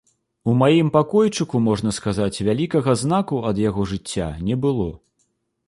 У маім пакойчыку, можна сказаць, вялікага знаку ад яго жыцця не было.